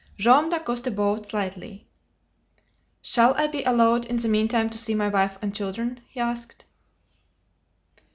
Joam Dacosta bowed slightly. "Shall I be allowed in the meantime to see my wife and children?" he asked.